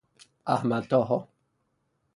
احمدطاها